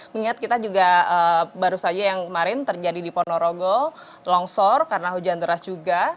mengingat kita juga baru saja yang kemarin terjadi di ponorogo longsor karena hujan deras juga